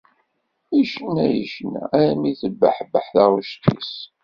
Yecna, yecna armi tebbeḥbeḥ taɣect-is